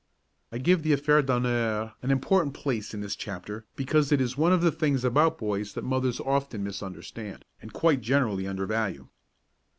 I give the affaire d'honneur an important place in this chapter because it is one of the things about boys that mothers often misunderstand and quite generally undervalue.